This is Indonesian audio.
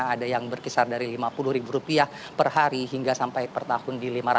ada yang berkisar dari lima puluh ribu rupiah per hari hingga sampai per tahun di lima ratus ribu rupiah